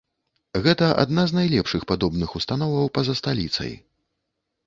Гэта адна з найлепшых падобных установаў па-за сталіцай.